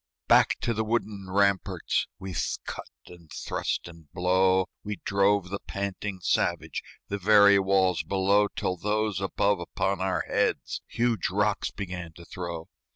Back to the wooden ramparts, With cut and thrust and blow, We drove the panting savage, The very walls below, Till those above upon our heads Huge rocks began to throw.